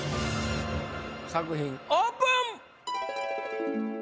作品オープン！